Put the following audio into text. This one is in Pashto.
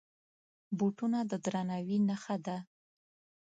بوټونه د درناوي نښه ده.